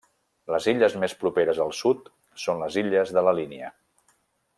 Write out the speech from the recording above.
Les illes més properes al sud són les illes de la Línia.